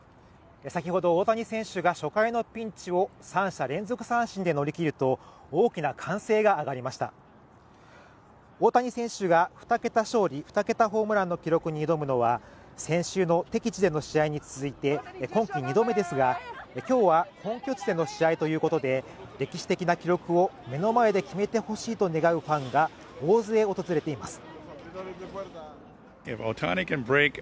先ほど大谷選手が初回のピンチを三者連続三振で乗り切ると大きな歓声が上がりました大谷選手が２桁勝利２桁ホームランの記録に挑むのは先週の敵地での試合に続いて今季２度目ですが今日は本拠地での試合ということで歴史的な記録を目の前で決めてほしいと願うファンが大勢訪れています